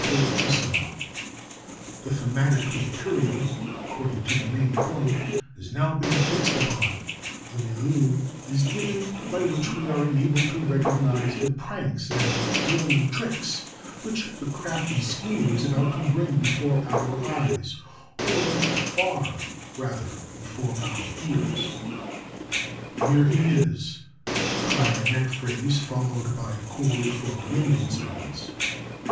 fortissimo. The thematic material, according to the main point, has now been fixed upon; the milieu is given by which we are enabled to recognize the pranks and droll tricks which the crafty schemer is about to bring before our eyes, or, far rather, before our ears. "Here he is (clarinet phrase followed by chord for wind instruments).